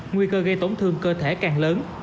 nguy cơ gây tổn thương cơ thể càng lớn